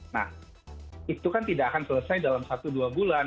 nah itu kan tidak akan selesai dalam satu dua bulan